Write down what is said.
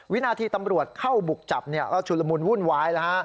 วินาทีตำรวจเข้าบุกจับก็ชุลมุนวุ่นวายแล้วฮะ